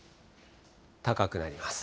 高くなります。